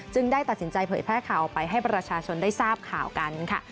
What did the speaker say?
ได้ตัดสินใจเผยแพร่ข่าวออกไปให้ประชาชนได้ทราบข่าวกันค่ะ